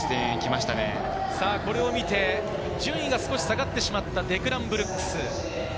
これを見て順位が少し下がってしまいました、デクラン・ブルックス。